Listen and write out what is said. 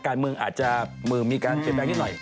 การเมืองอาจจะมีการเปลี่ยนแปลงนิดหน่อย